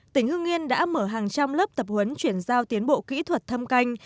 tỉnh hưng yên đã mở hàng trăm lớp tập huấn chuyển giao tiến bộ kỹ thuật thâm canh